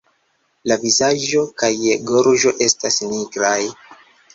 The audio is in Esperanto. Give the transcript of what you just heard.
La vizaĝo kaj gorĝo estas nigraj.